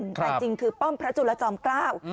แต่จริงคือป้อมพระจุลจอมเกล้า